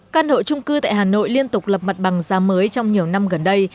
căn hộ trung cư tại hà nội liên tục lập mặt bằng giá mới trong nhiều năm gần đây